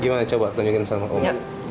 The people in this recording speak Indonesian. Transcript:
gimana coba tanyain sama om